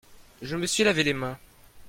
je me suis lavé les mains.